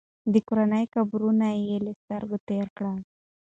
د کورنۍ قبرونه یې له سترګو تېر کړل.